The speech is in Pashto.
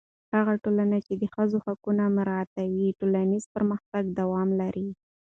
هغه ټولنه چې د ښځو حقونه مراعتوي، ټولنیز پرمختګ دوام لري.